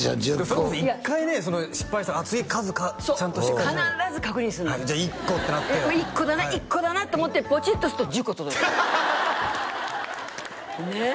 それこそ１回ね失敗したら次数ちゃんとそう必ず確認するのじゃあ１個ってなって１個だな１個だなと思ってポチッと押すと１０個届いたねえ